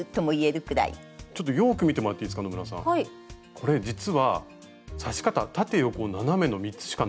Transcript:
これ実は刺し方縦横斜めの３つしかない。